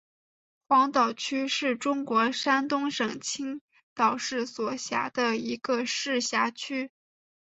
黄岛区是中国山东省青岛市所辖的一个市辖区。